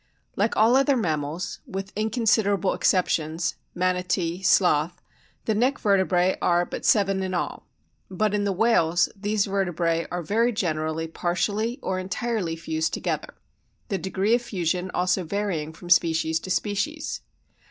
Like all other mammals (with inconsiderable ex ceptions, Manatee, Sloth) the neck vertebrae are but seven in all. But in the whales these vertebrae are very generally partially or entirely fused together (Fig. 8), the degree of fusion also varying from species to species.